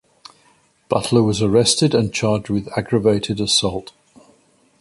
Butler was arrested and charged with aggravated assault.